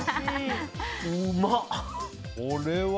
うまっ！